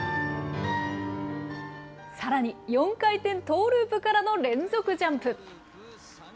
さらに４回転トーループからの連続ジャンプ。